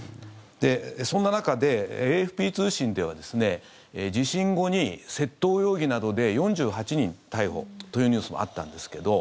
そんな中で、ＡＦＰ通信では地震後に窃盗容疑などで４８人逮捕というニュースもあったんですけど。